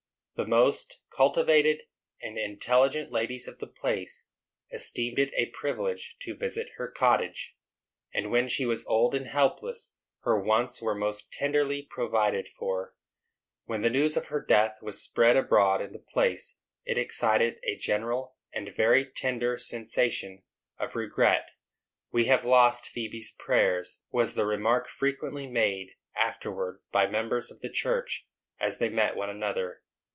The most cultivated and intelligent ladies of the place esteemed it a privilege to visit her cottage; and when she was old and helpless, her wants were most tenderly provided for. When the news of her death was spread abroad in the place, it excited a general and very tender sensation of regret. "We have lost Phebe's prayers," was the remark frequently made afterwards by members of the church, as they met one another.